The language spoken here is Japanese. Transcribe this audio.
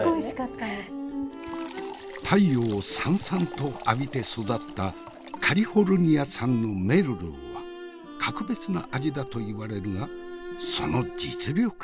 太陽をサンサンと浴びて育ったカリフォルニア産のメルローは格別な味だといわれるがその実力やいかに？